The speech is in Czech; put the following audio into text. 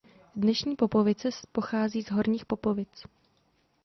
Dnešní Popovice pochází z Horních Popovic.